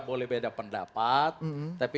boleh beda pendapat tapi